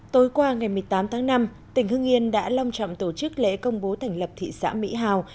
tối qua ngày một mươi tám tháng năm tỉnh hưng yên đã long trọng tổ chức lễ công bố thành lập thị xã mỹ hào